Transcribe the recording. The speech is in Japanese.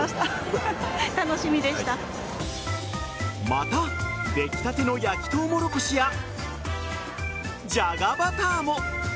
また出来立ての焼きトウモロコシやじゃがバターも。